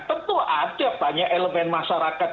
tentu ada banyak elemen masyarakat